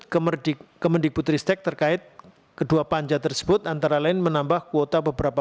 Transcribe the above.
kemendik putristek terkait kedua panja tersebut antara lain menambah kuota beberapa